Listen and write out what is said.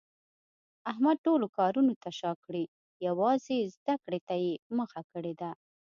احمد ټولو کارونو ته شاکړې یووازې زده کړې ته یې مخه کړې ده.